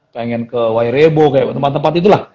pengen ke wairebo kayak tempat tempat itulah